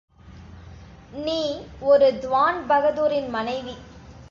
நீ ஒரு திவான் பகதூரின் மனைவி!